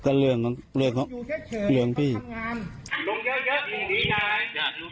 เรื่องพี่